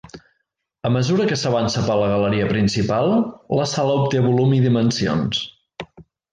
A mesura que s'avança per la galeria principal la sala obté volum i dimensions.